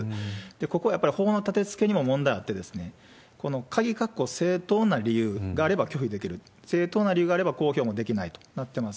ここはやっぱり法の立てつけにも問題あって、この「」、正当な理由があれば拒否できる、正当な理由があれば公表はできないとなってます。